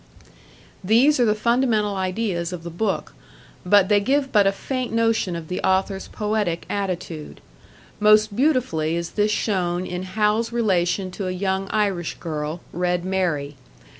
These are the fundamental ideas of the book, but they give but a faint notion of the author's poetic attitude. Most beautifully is this shown in Hal's relation to a young Irish girl, Red Mary.